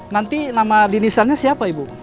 nanti nama dinisannya siapa ibu